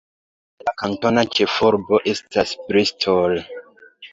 La kantona ĉefurbo estas Bristol.